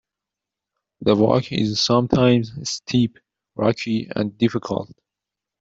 The walk is sometimes steep, rocky and difficult.